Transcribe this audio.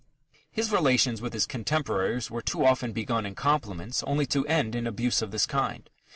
His relations with his contemporaries were too often begun in compliments only to end in abuse of this kind.